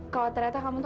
kalo ternyata kamu tuh